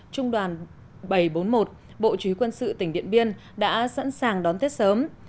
trung đoàn bảy trăm bốn mươi một bộ chí quân sự tỉnh điện biên đã sẵn sàng đón tết sớm